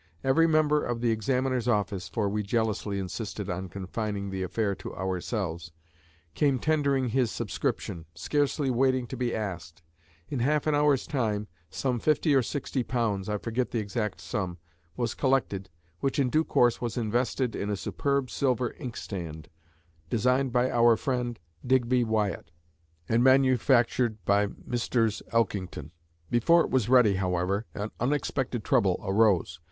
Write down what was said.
Every member of the examiners' office for we jealously insisted on confining the affair to ourselves came tendering his subscription, scarcely waiting to be asked; in half an hour's time some fifty or sixty pounds I forget the exact sum was collected, which in due course was invested in a superb silver inkstand, designed by our friend, Digby Wyatt, and manufactured by Messrs. Elkington. Before it was ready, however, an unexpected trouble arose.